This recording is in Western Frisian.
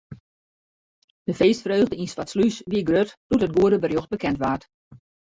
De feestfreugde yn Swartslús wie grut doe't it goede berjocht bekend waard.